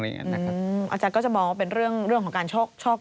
อาจารย์ก็จะมองว่าเป็นเรื่องของการโชค